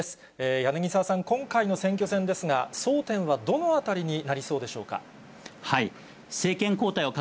柳沢さん、今回の選挙戦ですが、争点はどのあたりになりそうでしょうか。